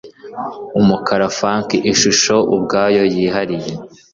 umukara funk ishusho ubwayo yihariye